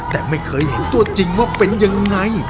แต่ไม่เคยเห็นตัวจริงว่าเป็นยังไง